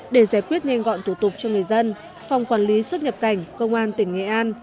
để giải quyết nhanh gọn thủ tục cho người dân phòng quản lý xuất nhập cảnh công an tỉnh nghệ an